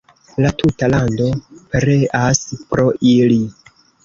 La tuta lando pereas pro ili.